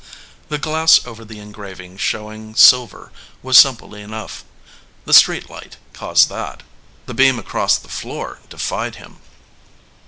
The glass over the engraving showing silver was simple enough. The street light caused that. The beam across the floor defied him.